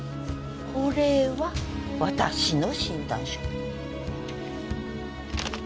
これは私の診断書。